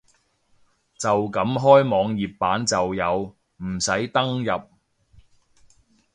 就咁開網頁版就有，唔使登入